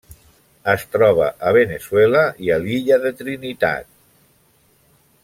Es troba a Veneçuela i a l'Illa de Trinitat.